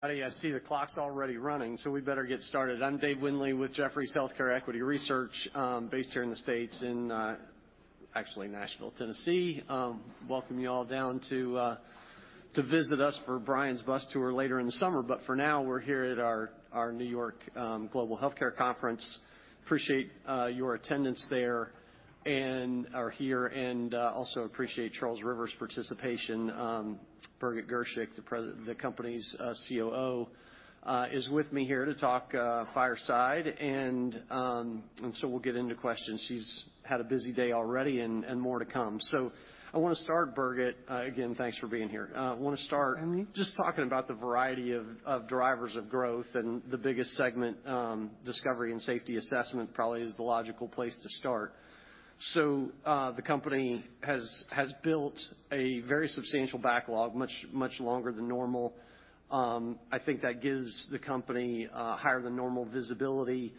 I see the clock's already running, so we better get started. I'm Dave Windley with Jefferies Healthcare Equity Research, based here in the States, in actually Nashville, Tennessee. Welcome you all down to visit us for Brian's bus tour later in the summer, but for now, we're here at our New York Global Healthcare Conference. Appreciate your attendance there and also appreciate Charles River's participation. Birgit Girshick, the company's COO, is with me here to talk fireside, and so we'll get into questions. She's had a busy day already and more to come, so I want to start, Birgit, again, thanks for being here, I want to start just talking about the variety of drivers of growth, and the biggest segment, Discovery and Safety Assessment, probably is the logical place to start. So the company has built a very substantial backlog, much longer than normal. I think that gives the company higher than normal visibility.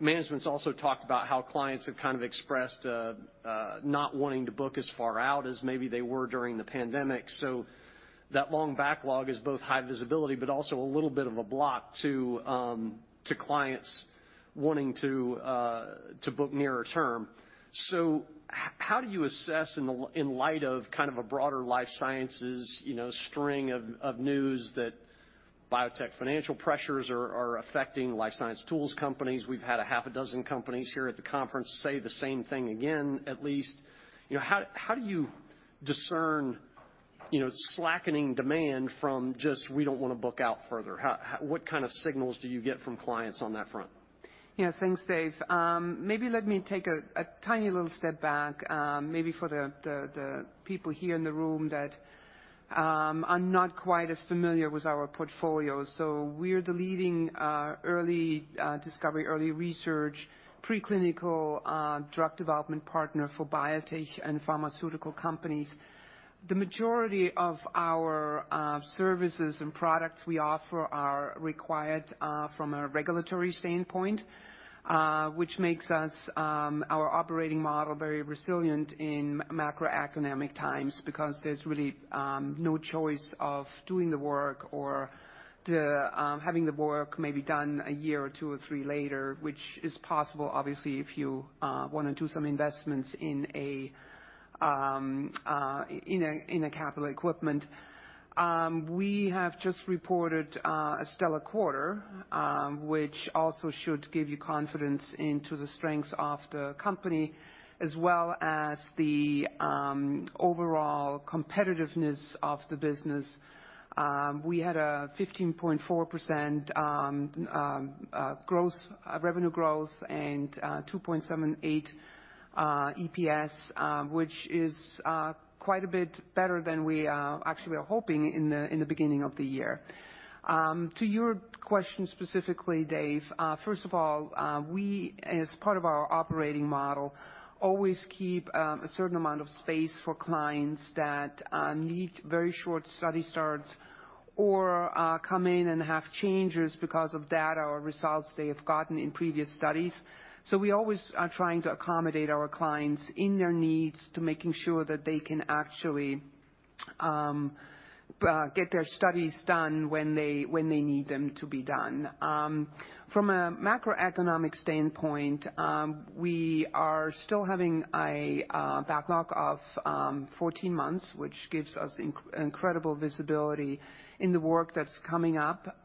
Management's also talked about how clients have kind of expressed not wanting to book as far out as maybe they were during the pandemic. So that long backlog is both high visibility but also a little bit of a block to clients wanting to book nearer term. So how do you assess, in light of kind of a broader life sciences string of news that biotech financial pressures are affecting life science tools companies? We've had a half a dozen companies here at the conference say the same thing again, at least. How do you discern slackening demand from just, "We don't want to book out further"? What kind of signals do you get from clients on that front? Yeah. Thanks, Dave. Maybe let me take a tiny little step back, maybe for the people here in the room that are not quite as familiar with our portfolio. So we're the leading early discovery, early research, preclinical drug development partner for biotech and pharmaceutical companies. The majority of our services and products we offer are required from a regulatory standpoint, which makes our operating model very resilient in macroeconomic times because there's really no choice of doing the work or having the work maybe done a year or two or three later, which is possible, obviously, if you want to do some investments in a capital equipment. We have just reported a stellar quarter, which also should give you confidence into the strengths of the company as well as the overall competitiveness of the business. We had a 15.4% revenue growth and 2.78 EPS, which is quite a bit better than we actually were hoping in the beginning of the year. To your question specifically, Dave, first of all, we, as part of our operating model, always keep a certain amount of space for clients that need very short study starts or come in and have changes because of data or results they have gotten in previous studies. So we always are trying to accommodate our clients in their needs to making sure that they can actually get their studies done when they need them to be done. From a macroeconomic standpoint, we are still having a backlog of 14 months, which gives us incredible visibility in the work that's coming up.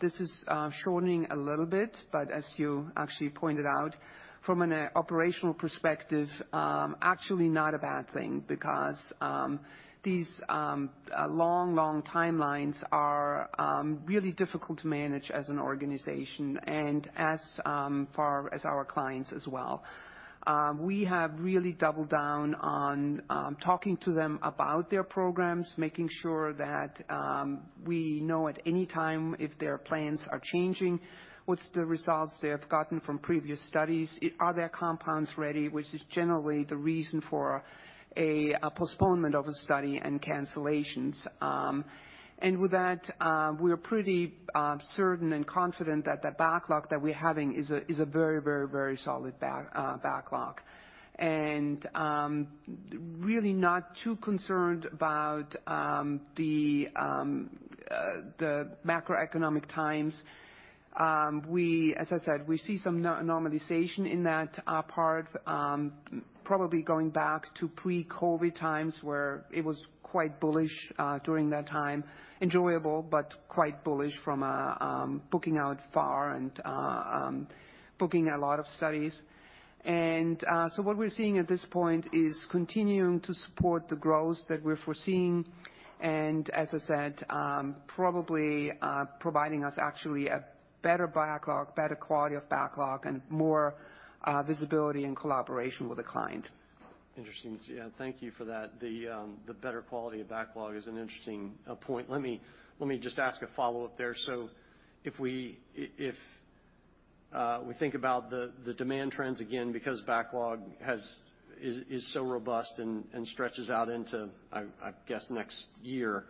This is shortening a little bit, but as you actually pointed out, from an operational perspective, actually not a bad thing because these long, long timelines are really difficult to manage as an organization and as far as our clients as well. We have really doubled down on talking to them about their programs, making sure that we know at any time if their plans are changing, what's the results they have gotten from previous studies, are their compounds ready, which is generally the reason for a postponement of a study and cancellations, and with that, we are pretty certain and confident that the backlog that we're having is a very, very, very solid backlog, and really not too concerned about the macroeconomic times. As I said, we see some normalization in that part, probably going back to pre-COVID times where it was quite bullish during that time, enjoyable but quite bullish from booking out far and booking a lot of studies. And so what we're seeing at this point is continuing to support the growth that we're foreseeing. And as I said, probably providing us actually a better backlog, better quality of backlog, and more visibility and collaboration with the client. Interesting. Yeah. Thank you for that. The better quality of backlog is an interesting point. Let me just ask a follow-up there. So if we think about the demand trends again, because backlog is so robust and stretches out into, I guess, next year,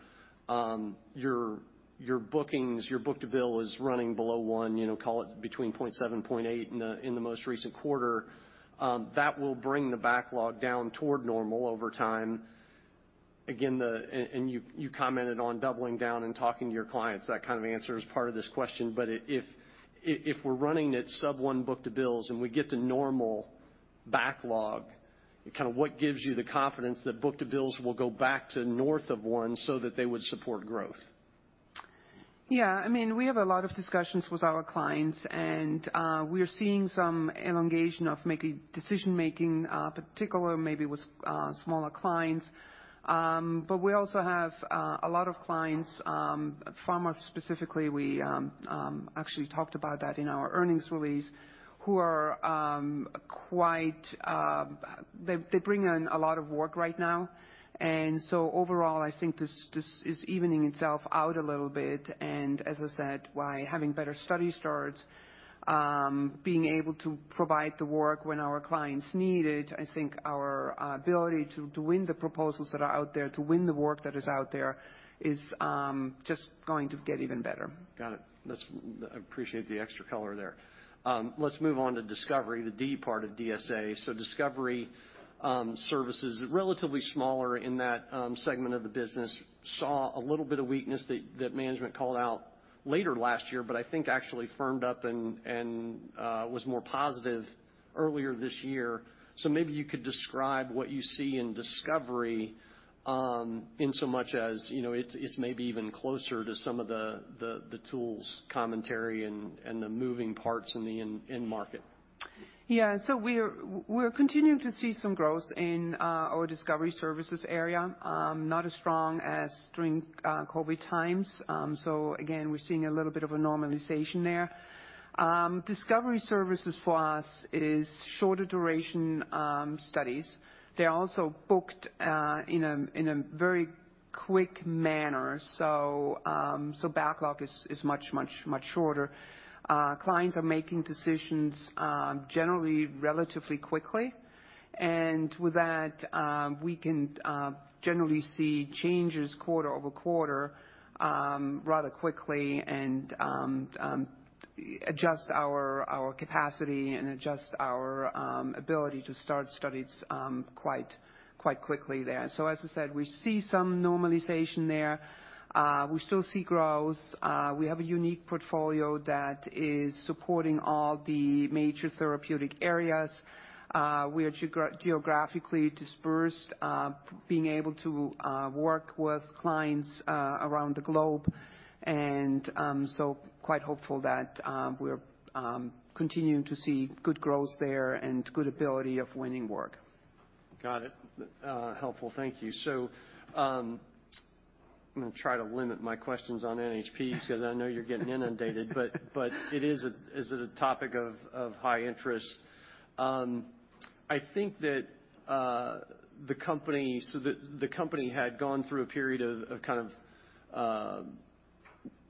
your bookings, your book-to-bill is running below one, call it between 0.7-0.8 in the most recent quarter, that will bring the backlog down toward normal over time. Again, you commented on doubling down and talking to your clients. That kind of answer is part of this question. But if we're running at sub-one book-to-bill and we get to normal backlog, kind of what gives you the confidence that book-to-bill will go back to north of one so that they would support growth? Yeah. I mean, we have a lot of discussions with our clients, and we're seeing some elongation of maybe decision-making, particularly maybe with smaller clients, but we also have a lot of clients, pharma specifically, we actually talked about that in our earnings release, who are quite, they bring in a lot of work right now, and so overall, I think this is evening itself out a little bit, and as I said, by having better study starts, being able to provide the work when our clients need it, I think our ability to win the proposals that are out there, to win the work that is out there, is just going to get even better. Got it. I appreciate the extra color there. Let's move on to Discovery, the D part of DSA. So Discovery Services are relatively smaller in that segment of the business, saw a little bit of weakness that management called out late last year, but I think actually firmed up and was more positive earlier this year. So maybe you could describe what you see in Discovery in so much as it's maybe even closer to some of the tools commentary and the moving parts in the end market. Yeah. So we're continuing to see some growth in our Discovery Services area, not as strong as during COVID times. So again, we're seeing a little bit of a normalization there. Discovery Services for us is shorter duration studies. They're also booked in a very quick manner. So backlog is much, much, much shorter. Clients are making decisions generally relatively quickly. And with that, we can generally see changes quarter-over-quarter rather quickly and adjust our capacity and adjust our ability to start studies quite quickly there. So as I said, we see some normalization there. We still see growth. We have a unique portfolio that is supporting all the major therapeutic areas. We are geographically dispersed, being able to work with clients around the globe. And so quite hopeful that we're continuing to see good growth there and good ability of winning work. Got it. Helpful. Thank you. So I'm going to try to limit my questions on NHPs because I know you're getting inundated, but it is a topic of high interest. I think that the company, so the company had gone through a period of kind of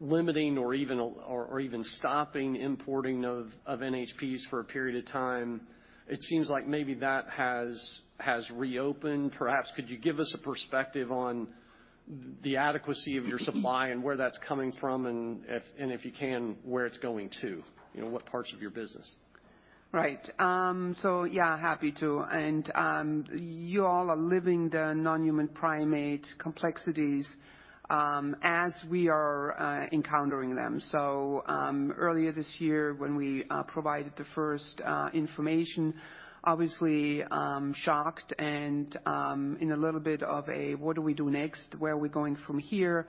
limiting or even stopping importing of NHPs for a period of time. It seems like maybe that has reopened. Perhaps could you give us a perspective on the adequacy of your supply and where that's coming from? And if you can, where it's going to, what parts of your business? Right. So yeah, happy to. And you all are living the non-human primate complexities as we are encountering them. So earlier this year, when we provided the first information, obviously shocked and in a little bit of a, "What do we do next? Where are we going from here?"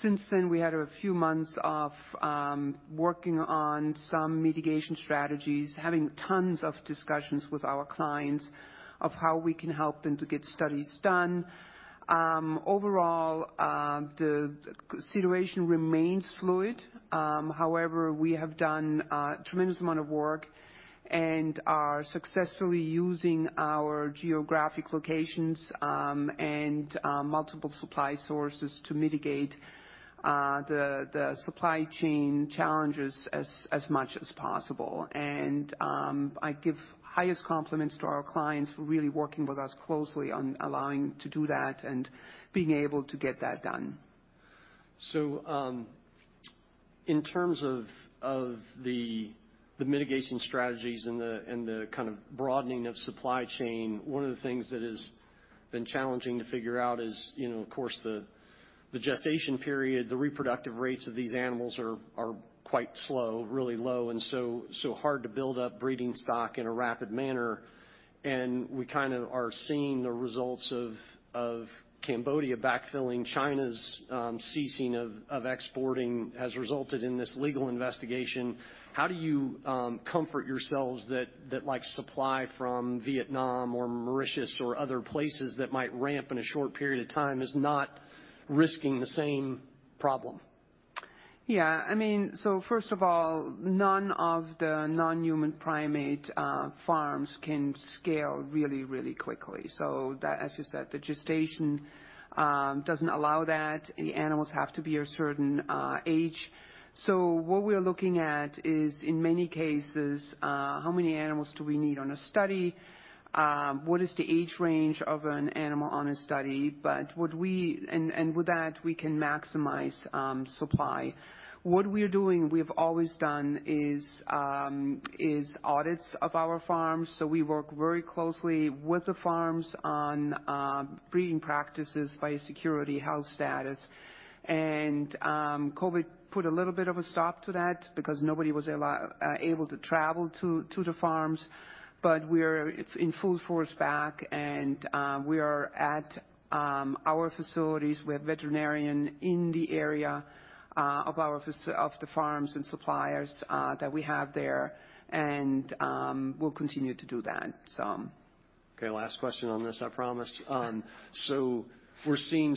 Since then, we had a few months of working on some mitigation strategies, having tons of discussions with our clients of how we can help them to get studies done. Overall, the situation remains fluid. However, we have done a tremendous amount of work and are successfully using our geographic locations and multiple supply sources to mitigate the supply chain challenges as much as possible. And I give highest compliments to our clients for really working with us closely on allowing to do that and being able to get that done. So in terms of the mitigation strategies and the kind of broadening of supply chain, one of the things that has been challenging to figure out is, of course, the gestation period. The reproductive rates of these animals are quite slow, really low, and so hard to build up breeding stock in a rapid manner, and we kind of are seeing the results of Cambodia backfilling, China's ceasing of exporting has resulted in this legal investigation. How do you comfort yourselves that supply from Vietnam or Mauritius or other places that might ramp in a short period of time is not risking the same problem? Yeah. I mean, so first of all, none of the non-human primate farms can scale really, really quickly. So as you said, the gestation doesn't allow that. The animals have to be a certain age. So what we're looking at is, in many cases, how many animals do we need on a study, what is the age range of an animal on a study. And with that, we can maximize supply. What we're doing, we've always done is audits of our farms. So we work very closely with the farms on breeding practices, biosecurity, health status. And COVID put a little bit of a stop to that because nobody was able to travel to the farms. But we're in full force back, and we are at our facilities. We have veterinarians in the area of the farms and suppliers that we have there, and we'll continue to do that, so. Okay. Last question on this, I promise. So we're seeing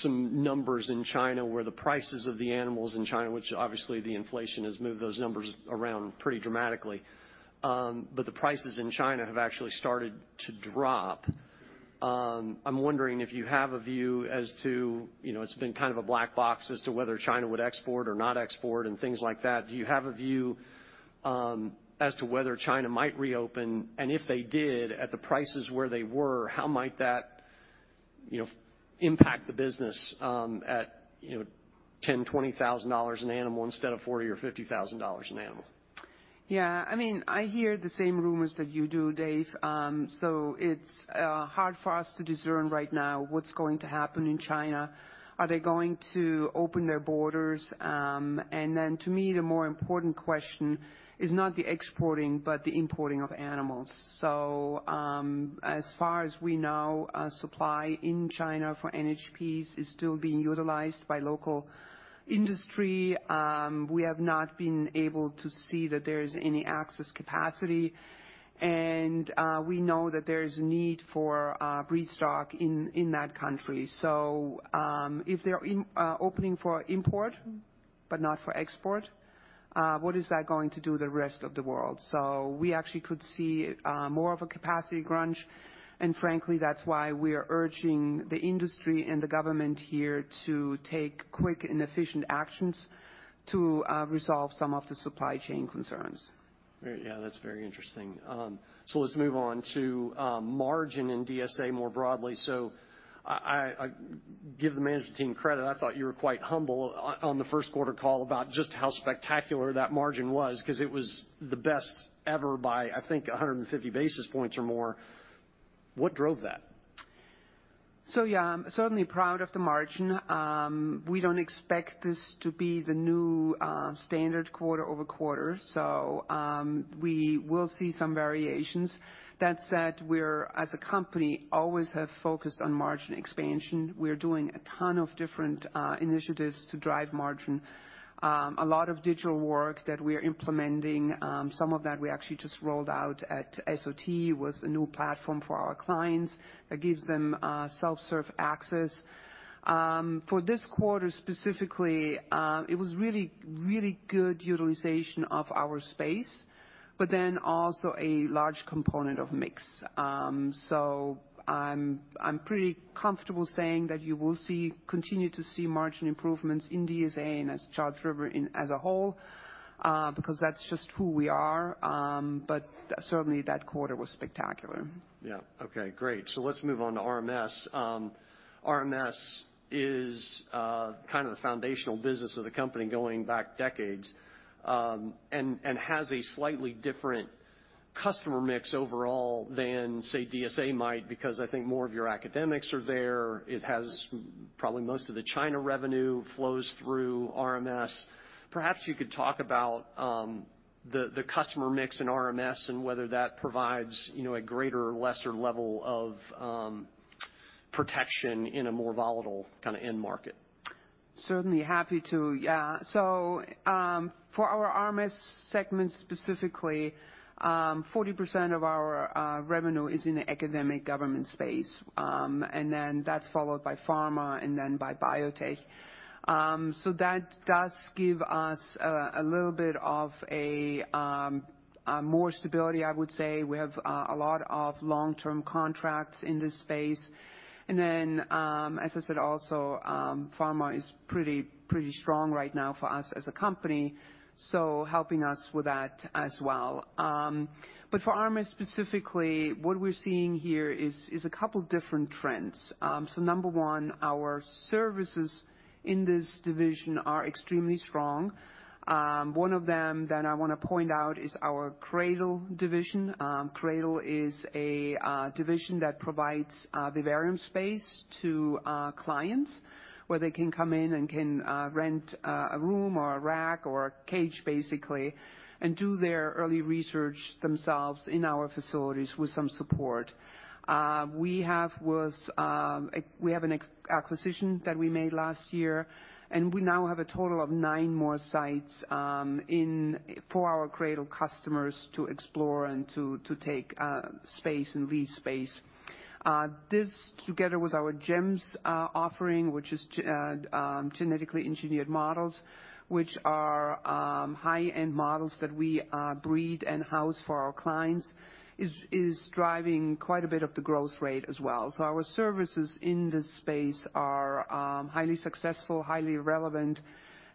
some numbers in China where the prices of the animals in China, which obviously the inflation has moved those numbers around pretty dramatically, but the prices in China have actually started to drop. I'm wondering if you have a view as to it's been kind of a black box as to whether China would export or not export and things like that. Do you have a view as to whether China might reopen? And if they did, at the prices where they were, how might that impact the business at $10,000-$20,000 an animal instead of $40,000 or $50,000 an animal? Yeah. I mean, I hear the same rumors that you do, Dave, so it's hard for us to discern right now what's going to happen in China. Are they going to open their borders, and then to me, the more important question is not the exporting but the importing of animals, so as far as we know, supply in China for NHPs is still being utilized by local industry. We have not been able to see that there is any excess capacity, and we know that there is a need for breeding stock in that country, so if they're opening for import but not for export, what is that going to do the rest of the world, so we actually could see more of a capacity crunch. Frankly, that's why we are urging the industry and the government here to take quick and efficient actions to resolve some of the supply chain concerns. Yeah. That's very interesting. So let's move on to margin in DSA more broadly. So I give the management team credit. I thought you were quite humble on the first quarter call about just how spectacular that margin was because it was the best ever by, I think, 150 basis points or more. What drove that? So yeah, I'm certainly proud of the margin. We don't expect this to be the new standard quarter over quarter. So we will see some variations. That said, we're, as a company, always have focused on margin expansion. We're doing a ton of different initiatives to drive margin. A lot of digital work that we are implementing, some of that we actually just rolled out at SOT, was a new platform for our clients that gives them self-serve access. For this quarter specifically, it was really, really good utilization of our space, but then also a large component of mix. So I'm pretty comfortable saying that you will continue to see margin improvements in DSA and at Charles River as a whole because that's just who we are. But certainly, that quarter was spectacular. Yeah. Okay. Great. So let's move on to RMS. RMS is kind of the foundational business of the company going back decades and has a slightly different customer mix overall than, say, DSA might because I think more of your academics are there. It has probably most of the China revenue flows through RMS. Perhaps you could talk about the customer mix in RMS and whether that provides a greater or lesser level of protection in a more volatile kind of end market. Certainly happy to. Yeah. So for our RMS segment specifically, 40% of our revenue is in the academic government space. And then that's followed by pharma and then by biotech. So that does give us a little bit of more stability, I would say. We have a lot of long-term contracts in this space. And then, as I said, also pharma is pretty strong right now for us as a company, so helping us with that as well. But for RMS specifically, what we're seeing here is a couple of different trends. So number one, our services in this division are extremely strong. One of them that I want to point out is our CRADL division. CRADL is a division that provides vivarium space to clients where they can come in and can rent a room or a rack or a cage, basically, and do their early research themselves in our facilities with some support. We have an acquisition that we made last year, and we now have a total of nine more sites for our CRADL customers to explore and to take space and lease space. This, together with our GEMS offering, which is genetically engineered models, which are high-end models that we breed and house for our clients, is driving quite a bit of the growth rate as well. So our services in this space are highly successful, highly relevant.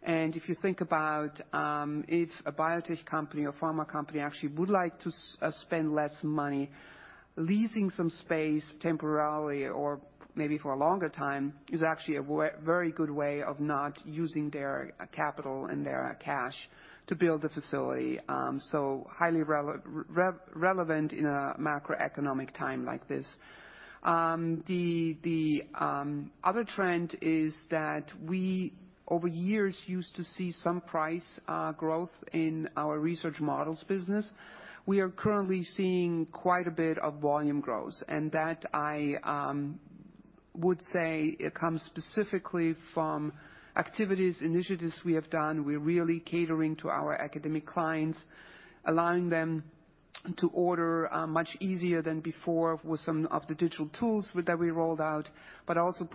If you think about if a biotech company or pharma company actually would like to spend less money, leasing some space temporarily or maybe for a longer time is actually a very good way of not using their capital and their cash to build the facility. Highly relevant in a macroeconomic time like this. The other trend is that we, over years, used to see some price growth in our research models business. We are currently seeing quite a bit of volume growth. That I would say comes specifically from activities, initiatives we have done. We're really catering to our academic clients, allowing them to order much easier than before with some of the digital tools that we rolled out, but also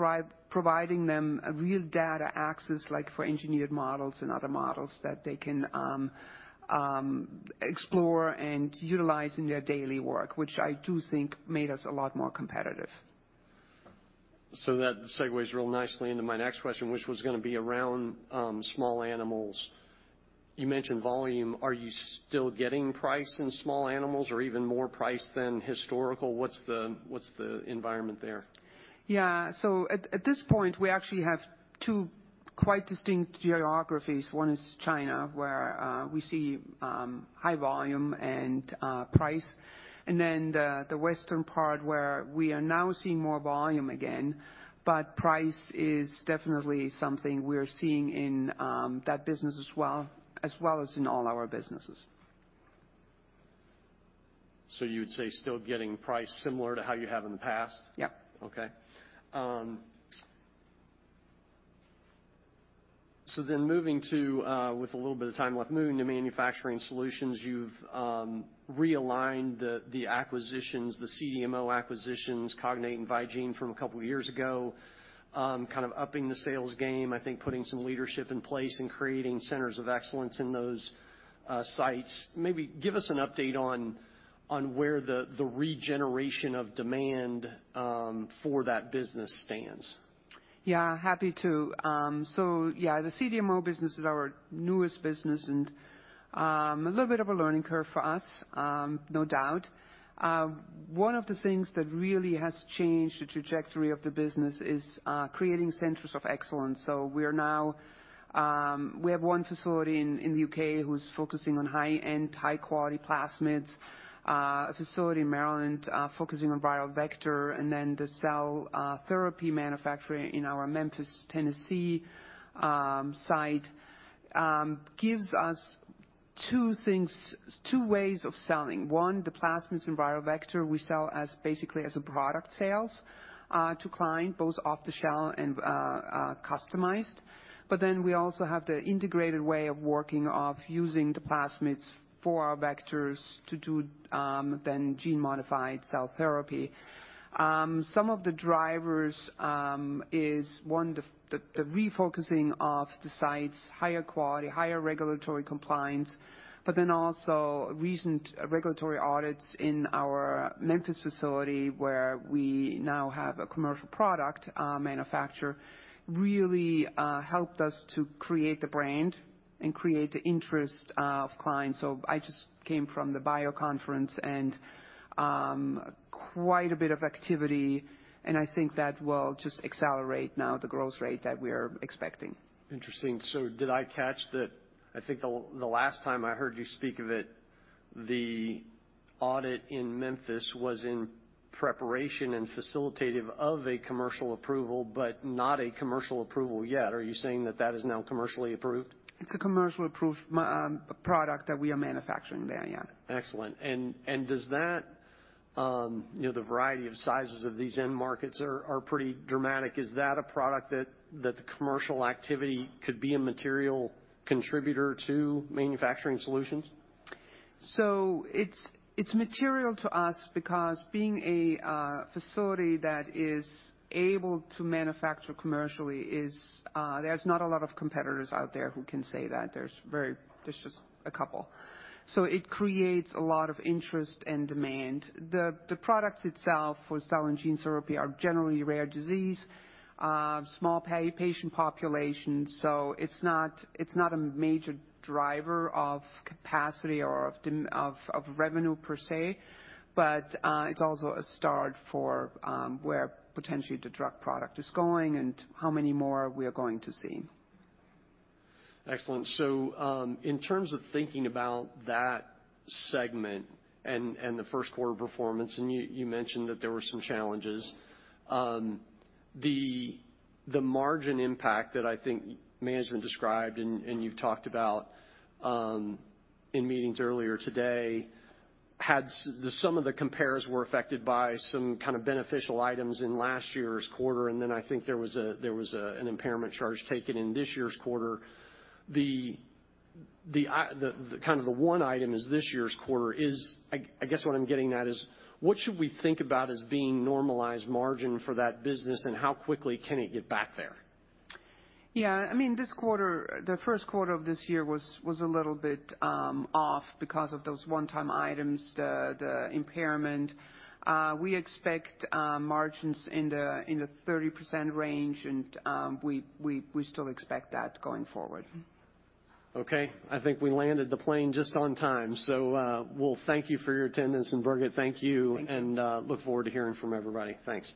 providing them real data access like for engineered models and other models that they can explore and utilize in their daily work, which I do think made us a lot more competitive. So that segues real nicely into my next question, which was going to be around small animals. You mentioned volume. Are you still getting price in small animals or even more price than historical? What's the environment there? Yeah. So at this point, we actually have two quite distinct geographies. One is China, where we see high volume and price. And then the western part, where we are now seeing more volume again, but price is definitely something we are seeing in that business as well as in all our businesses. So you would say still getting price similar to how you have in the past? Yep. Okay. So then, with a little bit of time left, moving to Manufacturing Solutions, you've realigned the acquisitions, the CDMO acquisitions, Cognate and Vigene from a couple of years ago, kind of upping the sales game, I think, putting some leadership in place and creating centers of excellence in those sites. Maybe give us an update on where the regeneration of demand for that business stands. Yeah. Happy to. So yeah, the CDMO business is our newest business and a little bit of a learning curve for us, no doubt. One of the things that really has changed the trajectory of the business is creating centers of excellence. So we have one facility in the U.K. that's focusing on high-end, high-quality plasmids, a facility in Maryland focusing on viral vector, and then the cell therapy manufacturer in our Memphis, Tennessee site gives us two ways of selling. One, the plasmids and viral vector, we sell basically as a product sales to client, both off-the-shelf and customized. But then we also have the integrated way of working of using the plasmids for our vectors to do then gene-modified cell therapy. Some of the drivers is, one, the refocusing of the sites, higher quality, higher regulatory compliance, but then also recent regulatory audits in our Memphis facility, where we now have a commercial product manufacturer, really helped us to create the brand and create the interest of clients. So I just came from the BIO conference and quite a bit of activity. And I think that will just accelerate now the growth rate that we're expecting. Interesting. So did I catch that I think the last time I heard you speak of it, the audit in Memphis was in preparation and facilitative of a commercial approval, but not a commercial approval yet? Are you saying that that is now commercially approved? It's a commercially approved product that we are manufacturing there. Yeah. Excellent. And does that, the variety of sizes of these end markets are pretty dramatic. Is that a product that the commercial activity could be a material contributor to Manufacturing Solutions? So it's material to us because being a facility that is able to manufacture commercially, there's not a lot of competitors out there who can say that. There's just a couple. So it creates a lot of interest and demand. The products itself for cell and gene therapy are generally rare disease, small patient populations. So it's not a major driver of capacity or of revenue per se, but it's also a start for where potentially the drug product is going and how many more we are going to see. Excellent. So in terms of thinking about that segment and the first quarter performance, and you mentioned that there were some challenges. The margin impact that I think management described and you've talked about in meetings earlier today had some of the compares were affected by some kind of beneficial items in last year's quarter. And then I think there was an impairment charge taken in this year's quarter. Kind of, the one item is this year's quarter is. I guess what I'm getting at is, what should we think about as being normalized margin for that business and how quickly can it get back there? Yeah. I mean, this quarter, the first quarter of this year was a little bit off because of those one-time items, the impairment. We expect margins in the 30% range, and we still expect that going forward. Okay. I think we landed the plane just on time. So well, thank you for your attendance, and Birgit, thank you. And look forward to hearing from everybody. Thanks.